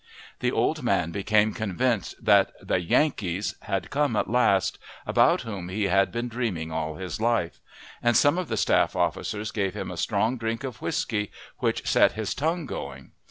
The old man became convinced that the "Yankees" had come at last, about whom he had been dreaming all his life; and some of the staff officers gave him a strong drink of whiskey, which set his tongue going.